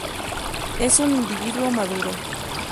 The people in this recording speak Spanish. Es un individuo maduro.